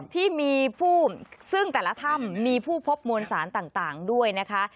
ที่มีผู้ซึ่งแต่ละถ้ำมีผู้พบมวลสารต่างด้วยนะคะ